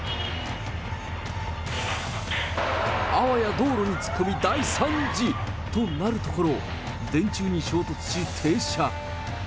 あわや道路に突っ込み、大惨事、となるところを、電柱に衝突し、停車。